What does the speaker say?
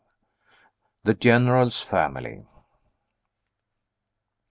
THE GENERAL'S FAMILY.